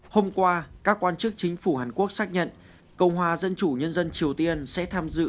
hôm qua các quan chức chính phủ hàn quốc xác nhận cộng hòa dân chủ nhân dân triều tiên sẽ tham dự